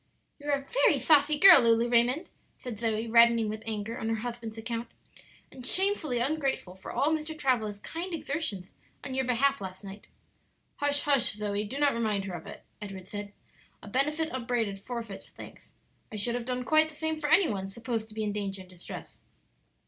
"You are a very saucy girl, Lulu Raymond," said Zoe, reddening with anger on her husband's account, "and shamefully ungrateful for all Mr. Travilla's kind exertions on your behalf last night." "Hush, hush, Zoe; do not remind her of it," Edward said. "'A benefit upbraided forfeits thanks.' I should have done quite the same for any one supposed to be in danger and distress."